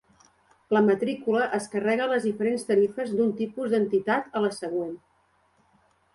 La matrícula es carrega a les diferents tarifes d'un tipus d'entitat a la següent.